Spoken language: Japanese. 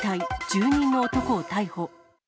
住人の男を逮捕。